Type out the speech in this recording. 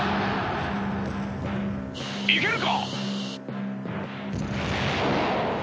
いけるか！？